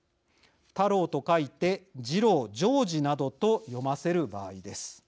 「太郎」と書いて「ジロウ」「ジョージ」などと読ませる場合です。